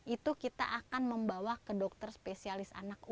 itu kita akan membawa ke dokter spesialis anak anak